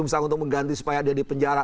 misalnya untuk mengganti supaya dia di penjara